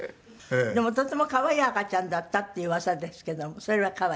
でもとっても可愛い赤ちゃんだったっていううわさですけどもそれは可愛い？